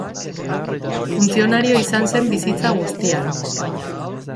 Funtzionario izan zen bizitza guztian.